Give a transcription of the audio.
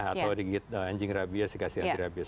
atau digigit anjing rabies dikasih anti rabies